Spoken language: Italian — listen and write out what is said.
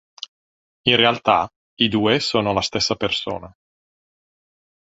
In realtà, i due sono la stessa persona.